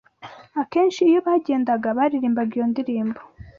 Akenshi iyo bagendaga, baririmbaga iyo ndirimbo